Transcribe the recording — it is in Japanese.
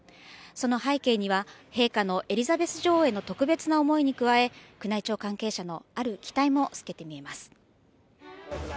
その背景には、陛下のエリザベス女王への特別な思いに加え、宮内庁関係者のある期待も透けて見えます。